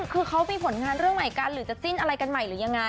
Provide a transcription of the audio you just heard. คือเขามีผลงานเรื่องใหม่กันหรือจะจิ้นอะไรกันใหม่หรือยังไง